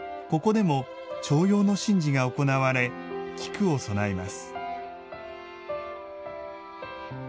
ここでも、重陽の神事が行なわれ、菊を供えます。